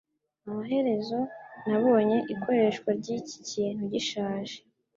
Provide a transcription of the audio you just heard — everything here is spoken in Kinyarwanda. Amaherezo nabonye ikoreshwa ryiki kintu gishaje.